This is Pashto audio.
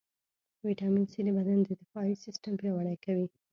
ويټامين C د بدن دفاعي سیستم پیاوړئ کوي.